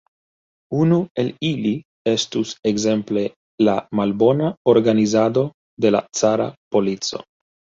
Unu el ili estus ekzemple la malbona organizado de la cara polico.